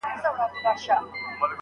آیا د پيشو نوکان د سپي تر نوکانو تېز دي؟